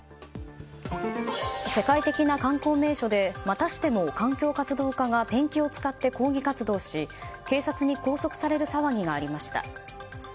世界的な観光名所でまたしても環境活動家がペンキを使って抗議活動し警察に捕まりました。